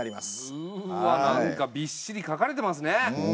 うわ何かびっしり書かれてますね。